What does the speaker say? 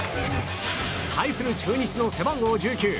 対する中日の背番号１９